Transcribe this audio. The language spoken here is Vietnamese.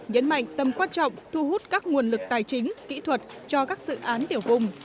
nhấn mạnh tâm quan trọng thu hút các nguồn lực tài chính kỹ thuật cho các dự án tiểu vùng